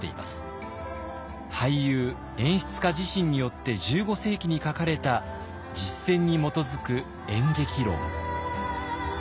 俳優演出家自身によって１５世紀に書かれた実践に基づく演劇論。